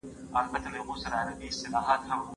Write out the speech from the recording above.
نړيوالي اړیکي د نویو ساینسي تجربو د شریکولو لار ده.